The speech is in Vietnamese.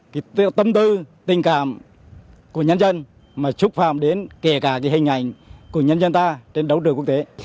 cái tâm tư tình cảm của nhân dân mà xúc phạm đến kể cả cái hình ảnh của nhân dân ta trên đấu trường quốc tế